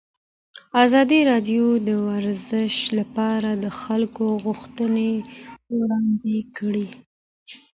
ازادي راډیو د ورزش لپاره د خلکو غوښتنې وړاندې کړي.